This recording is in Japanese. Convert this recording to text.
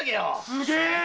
すげえ！